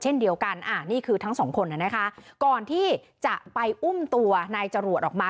เช่นเดียวกันนี่คือทั้งสองคนนะคะก่อนที่จะไปอุ้มตัวนายจรวดออกมา